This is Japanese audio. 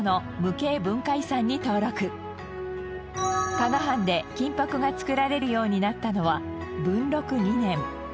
加賀藩で金箔が作られるようになったのは文禄２年。